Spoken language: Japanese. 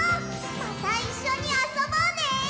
またいっしょにあそぼうね！